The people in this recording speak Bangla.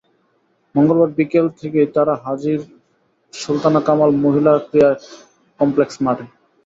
মঙ্গলবার বিকেল থেকেই তাঁরা হাজির সুলতানা কামাল মহিলা ক্রীড়া কমপ্লেক্স মাঠে।